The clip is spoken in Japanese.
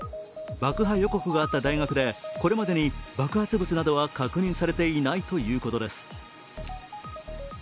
爆破予告があった大学でこれまでに爆発物などは確認されていないということです。